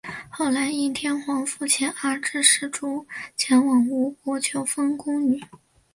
后来应神天皇复遣阿知使主前往吴国求缝工女。